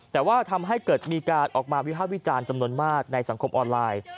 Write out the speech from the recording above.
แต่ว่าทำให้เกิดมีการออกมาวิภาควิจารณ์จำนวนมากในสังคมออนไลน์